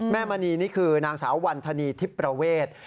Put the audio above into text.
แม่มณีนี่คือนางสาววรรณฑณีที่ประเวท